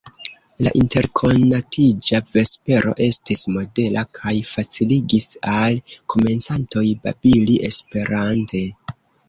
La interkonatiĝa vespero estis modela, kaj faciligis al komencantoj babili Esperante.